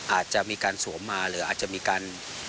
อาจจะมีการสวมมาหรืออาจจะมีการ